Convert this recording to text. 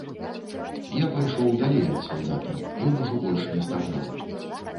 Я пайшоў далей ад салдата, ён ужо больш не стагнаў.